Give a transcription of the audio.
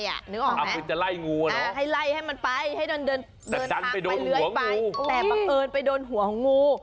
ได้ให้เดินทางไปเลื้อยไปแต่บังเอิญไปโดนหัวงู